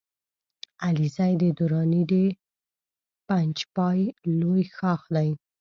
علیزی د دراني د پنجپای لوی ښاخ دی